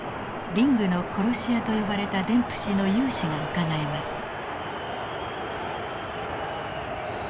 「リングの殺し屋」と呼ばれたデンプシーの勇姿がうかがえます。